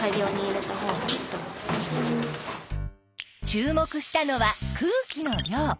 注目したのは空気の量。